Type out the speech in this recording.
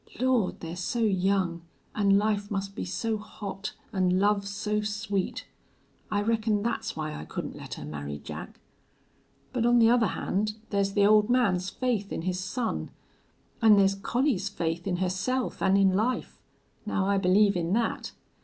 Lord! they're so young an' life must be so hot an' love so sweet! I reckon that's why I couldn't let her marry Jack.... But, on the other hand, there's the old man's faith in his son, an' there's Collie's faith in herself an' in life. Now I believe in that.